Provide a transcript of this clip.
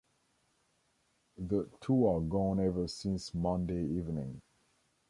The two are gone ever since Monday evening.